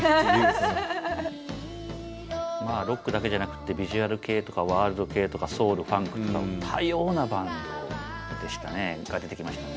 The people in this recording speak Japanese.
まあロックだけじゃなくてビジュアル系とかワールド系とかソウルファンクとか多様なバンドが出てきましたね。